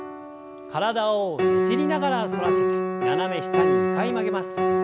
体をねじりながら反らせて斜め下に２回曲げます。